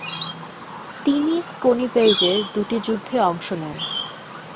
তিনি স্কনিভেল্ডের দুটি যুদ্ধে অংশ নেন।